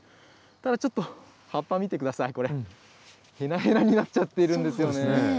ただちょっと、葉っぱ見てください、これ、へなへなになっちゃっているんですよね。